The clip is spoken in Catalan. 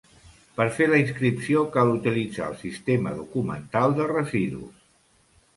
Per fer la inscripció cal utilitzar el Sistema Documental de Residus.